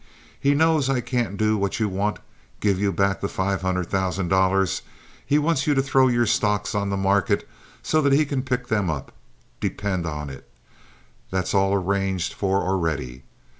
He knows I can't do what you want—give you back the five hundred thousand dollars. He wants you to throw your stocks on the market so that he can pick them up. Depend on it, that's all arranged for already.